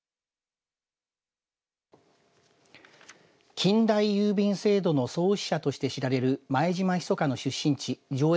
近代郵便制度の創始者として知られる前島密の出身地上越